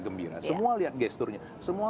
gembira semua lihat gesturnya semua